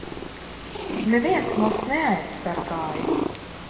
Neviens mūs neaizsargāja!